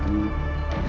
để tạo đi